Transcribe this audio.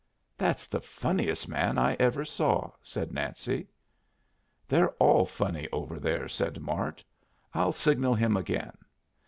"That's the funniest man I ever saw," said Nancy. "They're all funny over there," said Mart. "I'll signal him again."